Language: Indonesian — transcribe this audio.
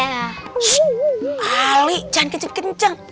shhh ali jangan kenceng kenceng